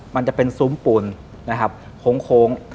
มันจะเป็นซุ้มปูนโค้ง